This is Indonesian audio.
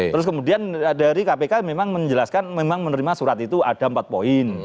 terus kemudian dari kpk memang menjelaskan memang menerima surat itu ada empat poin